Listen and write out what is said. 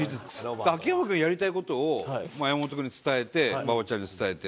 秋山君がやりたい事を山本君に伝えて馬場ちゃんに伝えて。